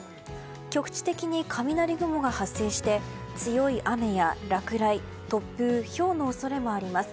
局地的に雷雲が発生して強い雨や落雷、突風ひょうの恐れもあります。